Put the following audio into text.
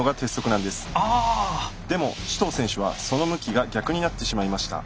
でも紫桃選手はその向きが逆になってしまいました。